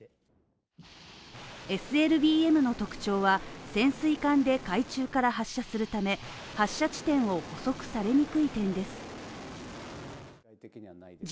ＳＬＢＭの特徴は、潜水艦で海中から発射するため、発射地点を捕捉されにくい点です。